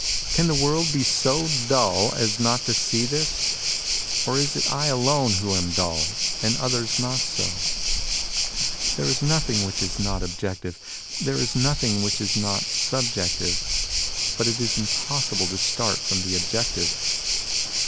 Can the world be so dull as not to see this ? Or is it I alone who am dull, and others not so ?... There is nothing which is not objective : there is nothing which is not sub jective. But it is impossible to start from the objective.